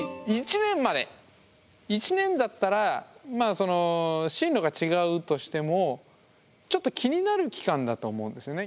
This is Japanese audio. １年だったらまあ進路が違うとしてもちょっと気になる期間だと思うんですよね。